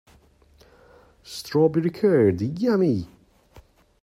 Strawberry curd, yummy!